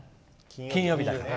金曜日だから。